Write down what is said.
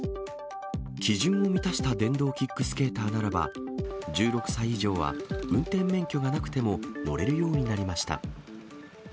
基準を満たした電動キックスケーターならば、１６歳以上は運転免許がなくても乗れるようになりました。